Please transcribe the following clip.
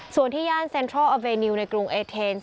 ส่วนที่ย่านเซ็นทรัลอเบนิวในกรุงเอเทนซ